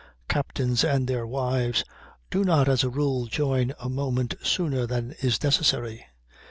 Captains and their wives do not, as a rule, join a moment sooner than is necessary.